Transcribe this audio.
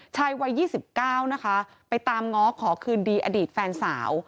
วัย๒๙นะคะไปตามง้อขอคืนดีอดีตแฟนสาว